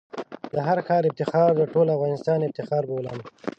د هر ښار افتخار د ټول افغانستان افتخار بولم.